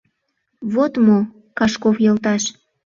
— Вот мо, Кашков йолташ!